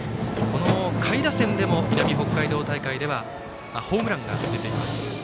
下位打線でも南北海道大会ではホームランが出ています。